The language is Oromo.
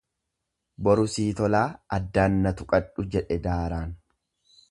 Boru sii tolaa addaan na tuqadhu jedhe daaraan.